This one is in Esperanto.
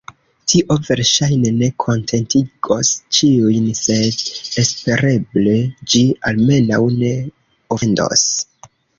Tio verŝajne ne kontentigos ĉiujn, sed espereble ĝi almenaŭ ne ofendos.